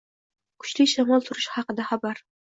Kuchli shamol turishi haqida xabar